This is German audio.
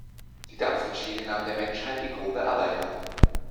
Die Dampfmaschine nahm der Menschheit die grobe Arbeit ab.